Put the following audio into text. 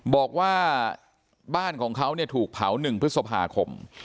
บอกว่าบ้านของเขาถูกเผา๑พฤษภาคม